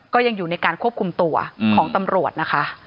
ก็ยังอยู่ในการควบคุมตัวของตำรวจนะคะ